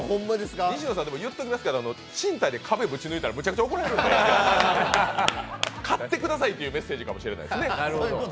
西野さん、言っときますけど賃貸で壁ぶち抜いたらむちゃくちゃ怒られるんで、買ってくださいというメッセージかもしれませんね。